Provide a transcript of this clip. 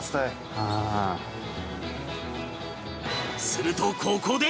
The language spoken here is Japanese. するとここで